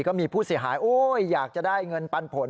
ก็มีผู้เสียหายอยากจะได้เงินปันผล